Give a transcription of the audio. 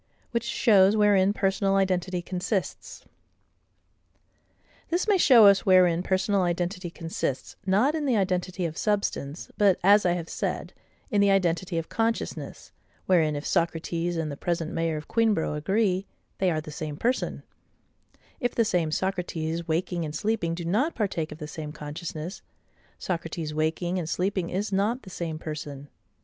Which shows wherein Personal identity consists. This may show us wherein personal identity consists: not in the identity of substance, but, as I have said, in the identity of consciousness, wherein if Socrates and the present mayor of Queenborough agree, they are the same person: if the same Socrates waking and sleeping do not partake of the same consciousness, Socrates waking and sleeping is not the same person.